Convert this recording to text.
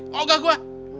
oh enggak gua